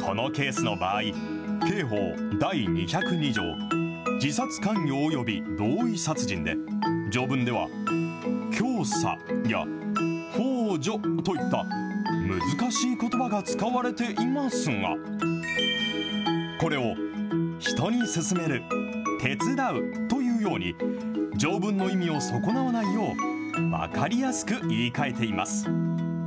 このケースの場合、刑法第２０２条、自殺関与及び同意殺人で、条文では教唆やほう助といった、難しいことばが使われていますが、これを人にすすめる、手伝うというように、条文の意味を損なわないよう、分かりやすく言いかえています。